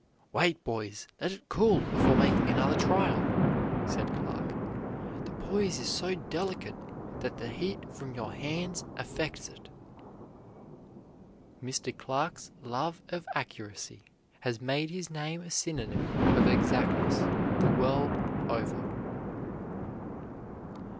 "Wait, boys, let it cool before making another trial," said Clark; "the poise is so delicate that the heat from your hands affects it." Mr. Clark's love of accuracy has made his name a synonym of exactness the world over.